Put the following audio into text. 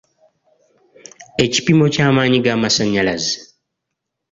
Ekipimo ky'amaanyi g'amasannyalaze.